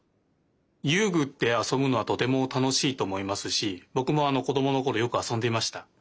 遊具ってあそぶのはとてもたのしいとおもいますしぼくもこどものころよくあそんでいました。